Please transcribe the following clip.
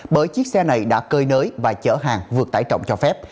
bởi chiếc xe này đã cơi nới và chở hàng vượt tải trọng cho phép